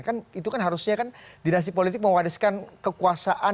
kan itu kan harusnya kan dinasti politik mewariskan kekuasaan